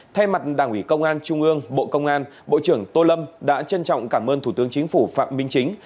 thay mặt đảng ủy công an trung ương bộ công an bộ trưởng tô lâm đã trân trọng cảm ơn thủ tướng chính phủ phạm minh chính